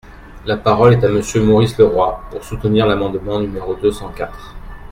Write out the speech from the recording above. La parole est à Monsieur Maurice Leroy, pour soutenir l’amendement numéro deux cent quatre.